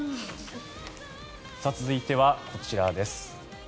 続いてはこちらです。